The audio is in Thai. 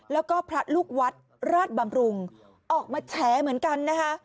แล้วก็พระลูกวัดราชบำรุงออกมาแฉเหมือนกันนะคะ